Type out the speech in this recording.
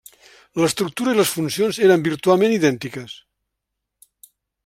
L'estructura i les funcions eren virtualment idèntiques.